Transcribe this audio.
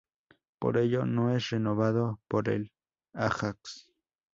Por ello no es renovado por el Ajax.